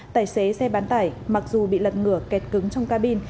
tài xế xe bán tải mặc dù bị lật ngừa kẹt cứng trong cabin